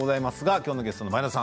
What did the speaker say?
きょうのゲストの前田さん